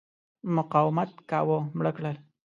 مقاومت کاوه مړه کړل.